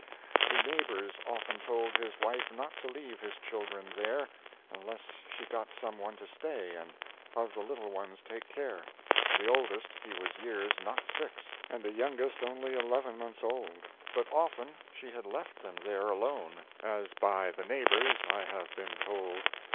The neighbors often told his wife Not to leave his children there, Unless she got some one to stay, And of the little ones take care. The oldest he was years not six, And the youngest only eleven months old, But often she had left them there alone, As, by the neighbors, I have been told.